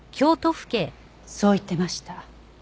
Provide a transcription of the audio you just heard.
そう言ってました。